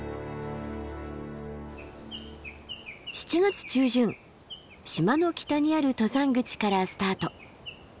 ７月中旬島の北にある登山口からスタート。